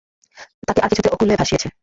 তাকে আর- কিছুতে অকূলে ভাসিয়েছে।